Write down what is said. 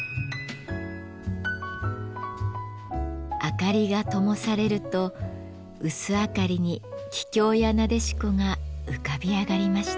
明かりがともされると薄明かりに桔梗や撫子が浮かび上がりました。